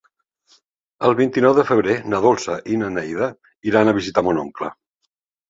El vint-i-nou de febrer na Dolça i na Neida iran a visitar mon oncle.